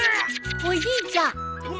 おじいちゃん。